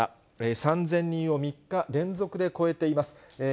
３０００人を３日連続で超えています。